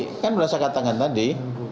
ya nanti kan berdasarkan tangan tadi